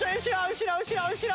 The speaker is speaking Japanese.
後ろ後ろ後ろ。